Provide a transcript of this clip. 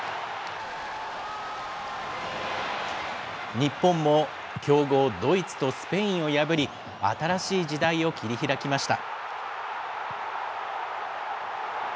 日本も、強豪ドイツとスペインを破り、新しい時代を切り開きました。